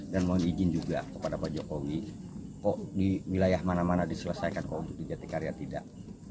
dan mohon izin juga kepada pak jokowi kok di wilayah mana mana diselesaikan kok untuk di jatikarya tidak